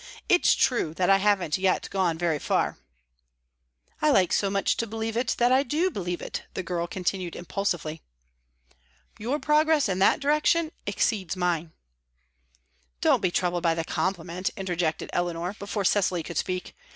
"It's true that I haven't yet gone very far." "I like so much to believe it that I do believe it," the girl continued impulsively. "Your progress in that direction exceeds mine." "Don't be troubled by the compliment," interjected Eleanor, before Cecily could speak.